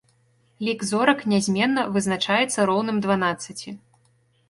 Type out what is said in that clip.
Лік зорак нязменна, вызначаецца роўным дванаццаці.